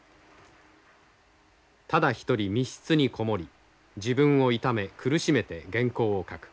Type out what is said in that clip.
ただ一人密室に籠もり自分を痛め苦しめて原稿を描く。